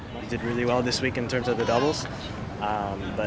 kami melakukan dengan baik hari ini dalam hal penutup